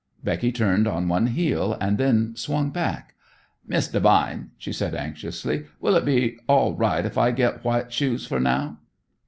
Becky turned on one heel and then swung back. "Miss Devine," she said anxiously, "will it be all right if I get white shoes for now?"